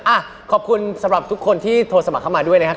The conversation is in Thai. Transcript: อ่ะขอบคุณสำหรับทุกคนที่โทรสมัครเข้ามาด้วยนะครับ